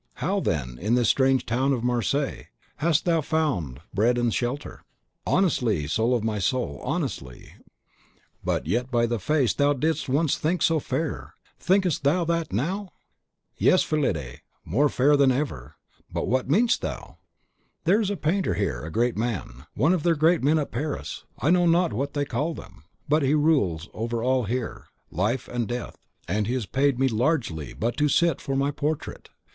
how, then, in this strange town of Marseilles, hast thou found bread and shelter?" "Honestly, soul of my soul! honestly, but yet by the face thou didst once think so fair; thinkest thou THAT now?" "Yes, Fillide, more fair than ever. But what meanest thou?" "There is a painter here a great man, one of their great men at Paris, I know not what they call them; but he rules over all here, life and death; and he has paid me largely but to sit for my portrait.